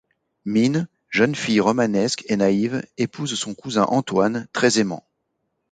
Minne, jeune fille romanesque et naïve, épouse son cousin Antoine, très aimant.